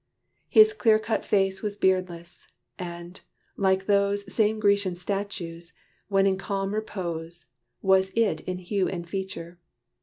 His clear cut face was beardless; and, like those Same Grecian statues, when in calm repose, Was it in hue and feature.